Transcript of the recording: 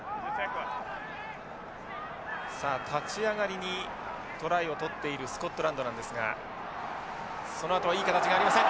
さあ立ち上がりにトライを取っているスコットランドなんですがそのあとはいい形がありません。